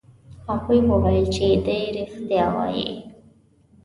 هغوی وویل چې دی رښتیا وایي.